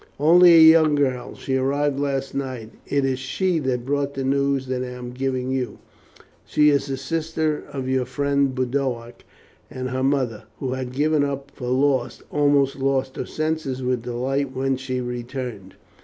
"Only a young girl. She arrived last night. It is she that brought the news that I am giving you. She is a sister of your friend Boduoc, and her mother, who had given her up for lost, almost lost her senses with delight when she returned.